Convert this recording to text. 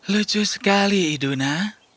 lucu sekali iduna